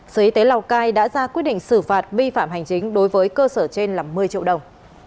sở y tế lào cai đã ra quyết định xử phạt vi phạm hành chính đối với cơ sở trên là một mươi triệu đồng